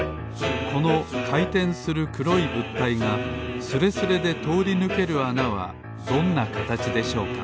このかいてんするくろいぶったいがスレスレでとおりぬけるあなはどんなかたちでしょうか？